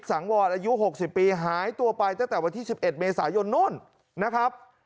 สังวัตรอายุหกสิบปีหายตัวไปตั้งแต่วันที่สิบเอ็ดเมษายนโน่นนะครับ